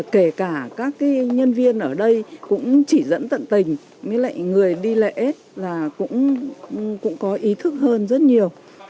kể cả các nhân viên ở đây cũng chỉ dẫn tận tình với lại người đi lễ là cũng có ý thức hơn rất nhiều